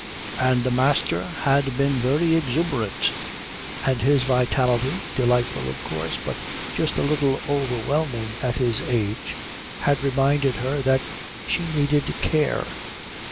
And the Master had been very exuberant; and his vitality, delightful of course but just a little overwhelming at his age, had reminded her that she needed care.